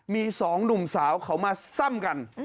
มีสองหนุ่มสาวเขามาซ่ำกัน